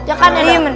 ya kan ya